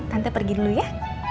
tante pergi dulu ya